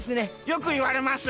よくいわれます。